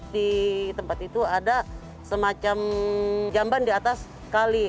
di tempat itu ada semacam jamban di atas kali